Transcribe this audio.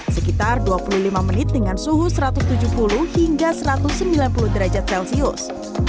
sekitar dua puluh lima menit dengan suhu satu ratus tujuh puluh hingga satu ratus sembilan puluh derajat celcius